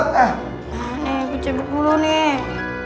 nih aku cebuk dulu nih